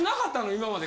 今まで。